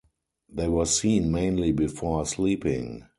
They were seen mainly before sleeping.